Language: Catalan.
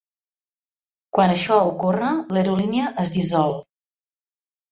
Quan això ocorre, l'aerolínia es dissol.